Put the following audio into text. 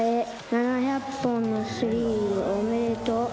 ７００本のスリーおめでとう。